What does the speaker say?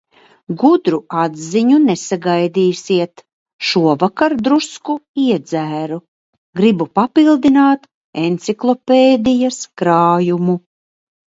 Gudru atziņu nesagaidīsiet, šovakar drusku iedzēru, gribu papildināt enciklopēdijas krājumu.